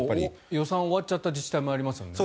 予算が終わった自治体もありますよね。